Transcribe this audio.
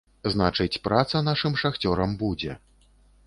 Значыць, праца нашым шахцёрам будзе.